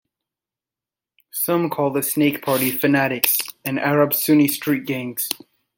Some call the Snake Party fanatics and Arab Sunni street gangs.